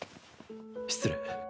失礼。